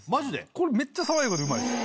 これ、めっちゃ爽やかでうまいです。